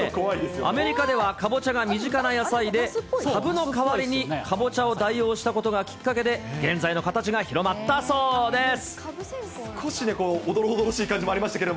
アメリカでは、カボチャが身近な野菜で、カブの代わりにカボチャを代用したことがきっかけで、現在の形が広まったそうです。